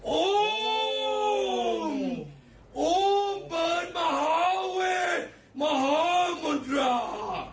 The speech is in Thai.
โอ้มโอ้มเปิดมหาเวทย์มหามนตรา